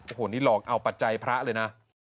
โอ้โหนี่หลอกเอาปัจจัยพระเลยนะ